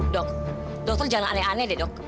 dok dokter jangan aneh aneh deh dok